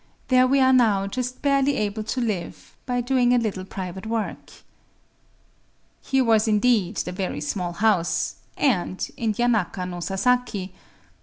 There we are now just barely able to live—by doing a little private work_…." Here was indeed the very small house,—and in Yanaka no Sasaki.